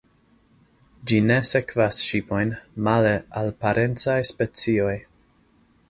Ĝi ne sekvas ŝipojn, male al parencaj specioj.